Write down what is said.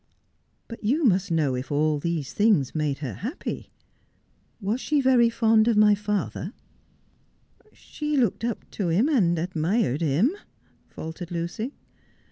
'But you must know if all these things made her happy. Was she very fond of my father 1 '_' She looked up to him and admired him,' faltered Lucy.